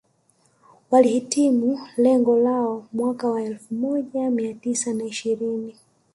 Walihitimu lengo lao mwaka wa elfu moja mia tisa na ishirini